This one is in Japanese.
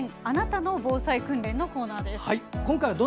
あなたの防災訓練」のコーナーです。